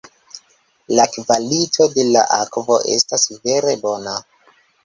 La kvalito de la akvo estas vere bona.